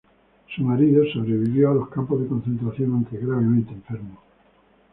Su marido sobrevivió a los campos de concentración, aunque gravemente enfermo.